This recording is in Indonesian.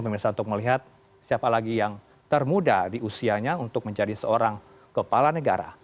pemirsa untuk melihat siapa lagi yang termuda di usianya untuk menjadi seorang kepala negara